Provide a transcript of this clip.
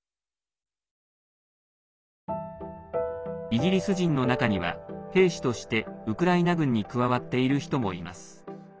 イギリス人の中には兵士としてウクライナ軍に加わっている人もいます。